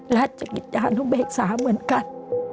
รัฐศกิจชาวนุโมเชษฐเหมือนกัน